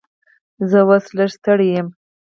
زه اوس لږ ستړی یم.